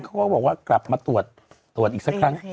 ก็บอกว่ากลับมาตรวจตรวจอีกซะครั้ง